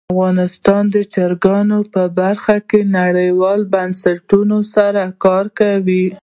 افغانستان د چرګان په برخه کې نړیوالو بنسټونو سره کار کوي.